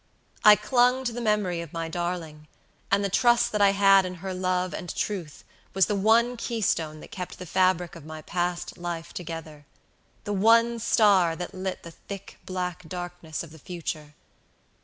I clung to the memory of my darling, and the trust that I had in her love and truth was the one keystone that kept the fabric of my past life togetherthe one star that lit the thick black darkness of the future.